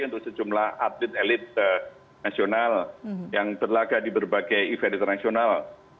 untuk sejumlah atlet elit nasional yang berlaga di berbagai event internasional